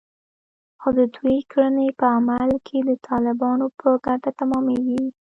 خو د دوی کړنې په عمل کې د طالبانو په ګټه تمامېږي